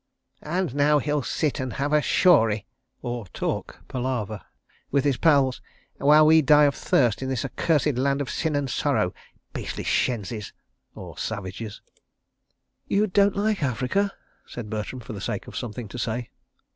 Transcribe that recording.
"And now he'll sit and have a shauri {72c} with his pals, while we die of thirst in this accursed land of sin and sorrow. ... Beastly shenzis. {72d} ..." "You don't like Africa?" said Bertram, for the sake of something to say.